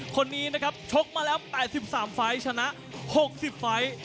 คนนี้นะครับชกมาแล้ว๘๓ไฟล์ชนะ๖๐ไฟล์